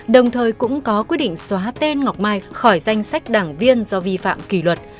đồng thời cũng có quyết định xóa tên ngọc mai khỏi danh sách đảng viên do vi phạm kỷ luật